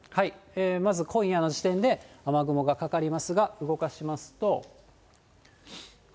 まず今夜の時点で、雨雲がかかりますが、動かしますと。